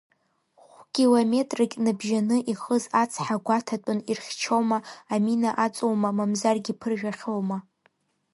Хә-километрак набжьаны ихыз ацҳа гәаҭатәын ирхьчома, амина аҵоума, мамзаргьы иԥыржәахьоума.